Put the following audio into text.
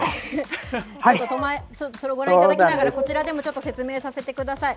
それをご覧いただきながら、こちらでもちょっと説明させてください。